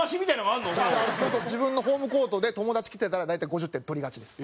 本当自分のホームコートで友達来てたら大体５０点取りがちです。